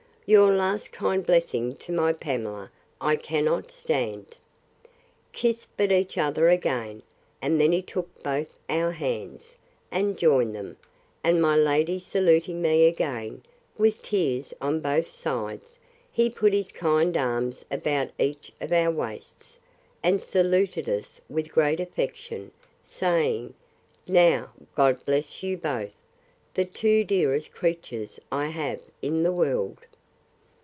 Your last kind blessing to my Pamela I cannot stand! Kiss but each other again. And then he took both our hands, and joined them; and my lady saluting me again, with tears on both sides, he put his kind arms about each of our waists, and saluted us with great affection, saying, Now, God bless you both, the two dearest creatures I have in the world!